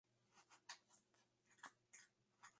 Cabe destacar un arco de triunfo realizado en piedra.